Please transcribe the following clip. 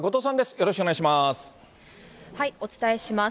よろしくお願いします。